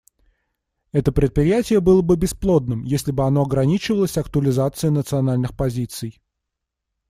Это предприятие было бы бесплодным, если бы оно ограничивалось актуализацией национальных позиций.